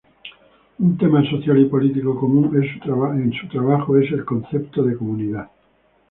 Un tema social y político común en su trabajo es el concepto de comunidad.